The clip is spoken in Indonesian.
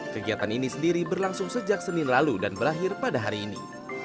kegiatan ini sendiri berlangsung sejak senin lalu dan berakhir pada hari ini